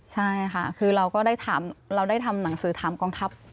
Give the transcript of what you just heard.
ใช่ค่ะคือเราก็ได้เราได้ทำหนังสือถามกองทัพ